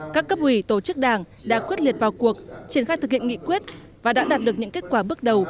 các cấp ủy tổ chức đảng đã quyết liệt vào cuộc triển khai thực hiện nghị quyết và đã đạt được những kết quả bước đầu